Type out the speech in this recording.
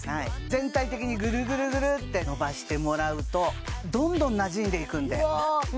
全体的にぐるぐるぐるって伸ばしてもらうとどんどんなじんでいくんです